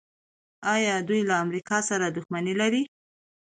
آیا دوی له امریکا سره دښمني نلري؟